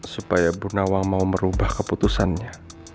supaya burnawang mau merubah keputusannya